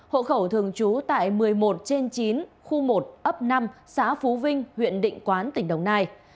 hộ khẩu thường trú tại một mươi một trên chín khu một ấp năm xã phú vinh huyện định quán tỉnh đồng nai